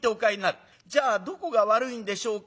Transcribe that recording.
『じゃあどこが悪いんでしょうか？』